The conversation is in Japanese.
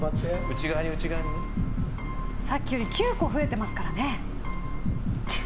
さっきより９個増えてますからね。